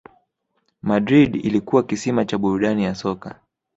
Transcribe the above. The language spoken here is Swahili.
Madrid ilikuwa kisima cha burudani ya soka